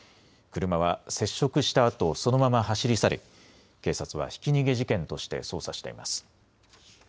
車は接触したあとそのまま走り去り、警察はひき逃げ事件として捜査しています。